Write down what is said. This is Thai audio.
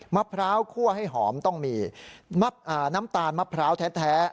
มะพร้าวคั่วให้หอมต้องมีน้ำตาลมะพร้าวแท้